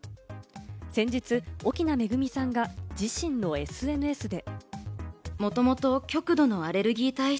先日、奥菜恵さんが自身のＳＮＳで。